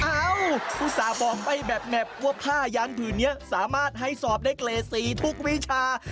เอ้าอุตส่าห์บอกไปแบบแนบว่าผ้ายานพื้นเนี่ยสามารถให้สอบได้เกรสอีกทุกวิชา